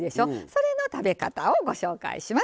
それの食べ方をご紹介します。